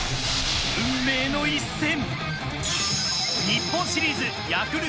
運命の一戦。